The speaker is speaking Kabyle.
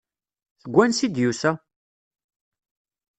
Seg wansi ay d-yusa?